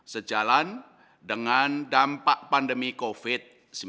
sejalan dengan dampak pandemi covid sembilan belas